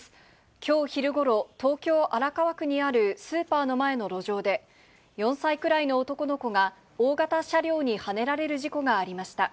きょう昼ごろ、東京・荒川区にあるスーパーの前の路上で、４歳くらいの男の子が大型車両にはねられる事故がありました。